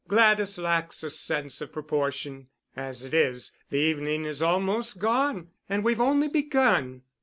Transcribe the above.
Gladys lacks a sense of proportion. As it is, the evening is almost gone, and we've only begun."